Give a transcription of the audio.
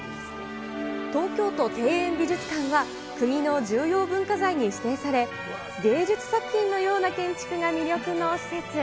東京都庭園美術館は、国の重要文化財に指定され、芸術作品のような建築が魅力の施設。